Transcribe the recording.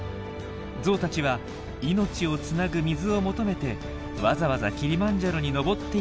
ゾウたちは命をつなぐ水を求めてわざわざキリマンジャロに登っていたというわけなんです。